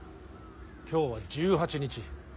今日は１８日。